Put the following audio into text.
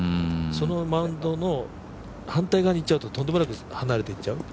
そのマウンドの反対側に行っちゃうととんでもなく離れていっちゃう。